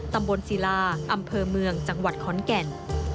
ตำบลศิลาอำเภอเมืองจังหวัดขอนแก่น